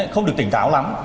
không được tỉnh táo lắm